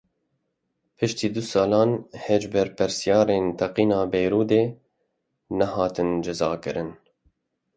Piştî du salan hêj berpirsyarên teqîna Beyrudê nehatine cezakirin.